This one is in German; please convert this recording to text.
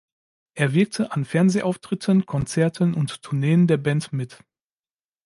Er wirkte an Fernsehauftritten, Konzerten und Tourneen der Band mit.